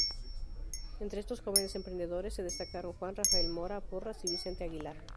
Entre estos jóvenes emprendedores se destacaron Juan Rafael Mora Porras y Vicente Aguilar.